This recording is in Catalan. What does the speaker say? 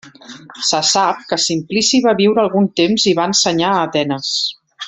Se sap que Simplici va viure algun temps i va ensenyar a Atenes.